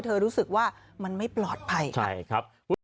เธอรู้สึกว่ามันไม่ปลอดภัยค่ะ